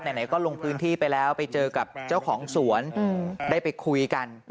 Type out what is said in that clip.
ไหนก็ลงพื้นที่ไปแล้วไปเจอกับเจ้าของสวนได้ไปคุยกัน